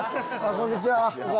こんにちは。